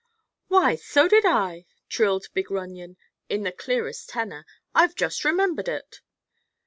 "Why, so did I!" trilled big Runyon, in his clearest tenor. "I've just remembered it."